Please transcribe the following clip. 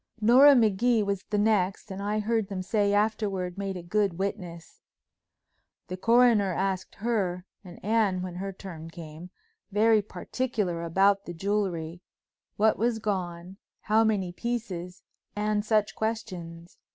Nora Magee was the next, and I heard them say afterward made a good witness. The coroner asked her—and Anne when her turn came—very particular about the jewelry, what was gone, how many pieces and such questions.